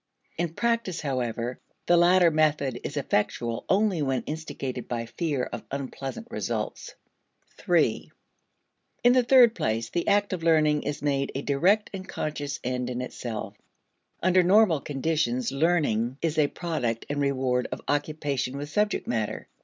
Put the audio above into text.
In practice, however, the latter method is effectual only when instigated by fear of unpleasant results. (iii) In the third place, the act of learning is made a direct and conscious end in itself. Under normal conditions, learning is a product and reward of occupation with subject matter.